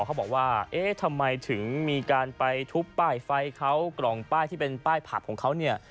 เขาบอกว่าเอ๊ะทำไมถึงมีการไปทุบป้ายไฟเขากล่องป้ายที่เป็นป้ายผับของเขาเนี่ย